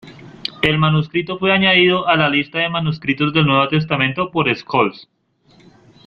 El manuscrito fue añadido a la lista de manuscritos del Nuevo Testamento por Scholz.